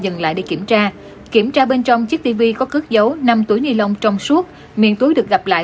dừng lại để kiểm tra kiểm tra bên trong chiếc tv có cước dấu năm túi nilon trong suốt miền túi được gặp lại